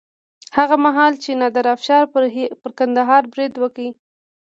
هغه مهال چې نادر افشار پر کندهار برید وکړ.